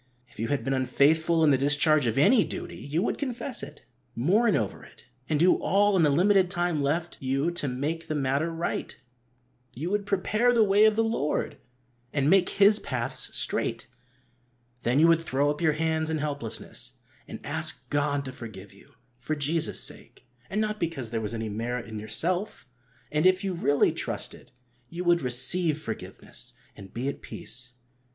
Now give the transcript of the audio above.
If you had been unfaithful in the discharge of any duty, you would confess it, mourn over it, and do all in the limited time left you to make the matter right. You would " prepare the way of the Lord, and make His paths straight." Then you would throw up your hands in helplessness, and ask God to forgive you for Jesus' sake, and not because there was any merit in yourself. And, if you really trusted, you would receive forgiveness, and be at peace.